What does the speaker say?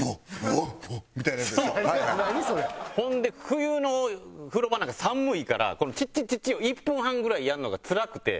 ほんで冬の風呂場なんか寒いからこのチッチッチッチッを１分半ぐらいやるのがつらくて。